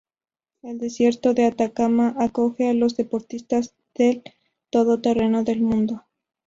El desierto de Atacama acoge a los deportistas del todoterreno del mundo.